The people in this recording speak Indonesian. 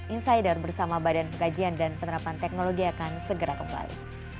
insider bersama badan pengkajian dan penerapan teknologi akan segera kembali